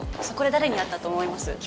そこで誰に会ったと思います？